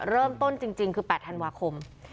เริ่มต้นจริงคือ๘ธันวาคม